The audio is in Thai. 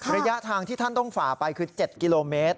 ระยะทางที่ท่านต้องฝ่าไปคือ๗กิโลเมตร